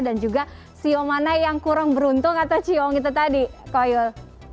dan juga siom mana yang kurang beruntung atau siom itu tadi kak yul